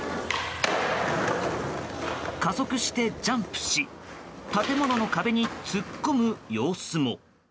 加速してジャンプし建物の壁に突っ込む様子も。